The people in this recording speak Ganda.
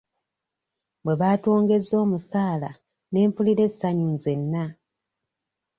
Bwe baatwongezza omusaala ne mpulira essanyu nzenna.